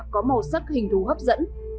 có màu sắc hình thú hấp dẫn